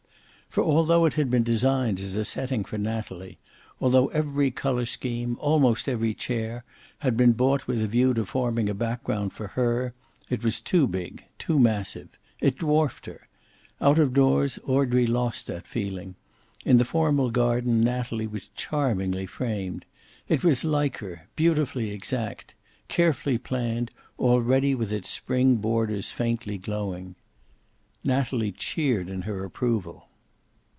For, although it had been designed as a setting for Natalie, although every color scheme, almost every chair, had been bought with a view to forming a background for her, it was too big, too massive. It dwarfed her. Out of doors, Audrey lost that feeling. In the formal garden Natalie was charmingly framed. It was like her, beautifully exact, carefully planned, already with its spring borders faintly glowing. Natalie cheered in her approval.